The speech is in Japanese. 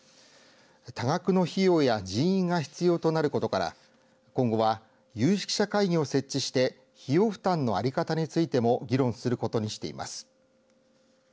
多額の費用や人員が必要となることから今後は有識者会議を設置して費用負担の在り方についても議論することにしています。